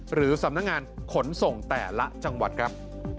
หรือสำนักงานขนส่งแต่ละจังหวัดครับ